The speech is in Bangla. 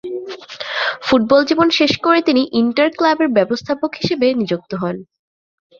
ফুটবল জীবন শেষ করে তিনি ইন্টার ক্লাবের ব্যবস্থাপক হিসেবে নিযুক্ত হন।